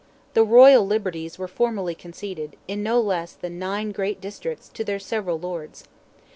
The "royal liberties" were formally conceded, in no less than nine great districts, to their several lords.